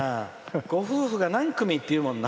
ご夫婦が何組っていうもんな。